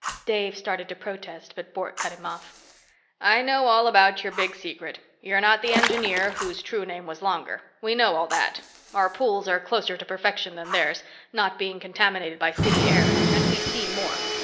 Dave started to protest, but Bork cut him off. "I know all about your big secret. You're not the engineer, whose true name was longer. We know all that. Our pools are closer to perfection than theirs, not being contaminated by city air, and we see more.